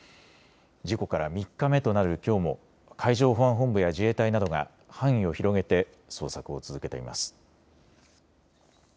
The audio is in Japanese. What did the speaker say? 事故から３日目となるきょうも海上保安本部や自衛隊などが範囲を広げて捜索を続けています。